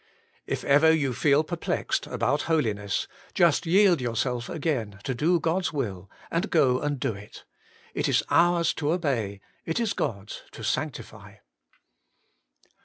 4. If ever you feel perplexed about holiness, just yield yourself again to do God's will , and go and do it. It is ours to obey, it is God's to sanctify.